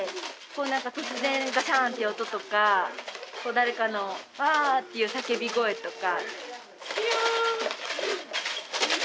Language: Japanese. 突然ガシャーンっていう音とか誰かのわっていう叫び声とか。